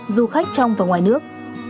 du khách trong và ngoài nước